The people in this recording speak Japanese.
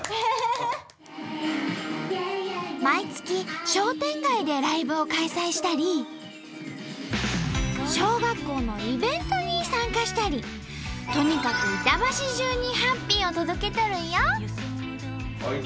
毎月商店街でライブを開催したり小学校のイベントに参加したりとにかく板橋じゅうにハッピーを届けとるんよ！